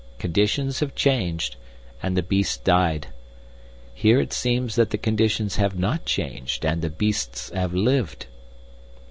Conditions have changed, and the beasts died. Here it seems that the conditions have not changed, and the beasts have lived."